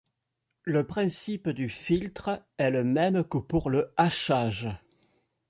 Le principe du filtre est le même que pour le hachage.